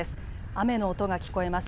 雨の音が聞こえます。